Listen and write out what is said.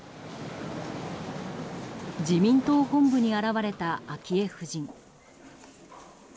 自民党本部に現れた昭恵夫人。